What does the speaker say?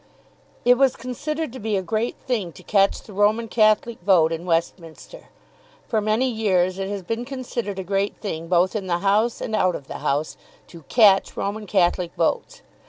It was considered to be a great thing to catch the Roman Catholic vote in Westminster. For many years it has been considered a great thing both in the House and out of the House to "catch" Roman Catholic votes.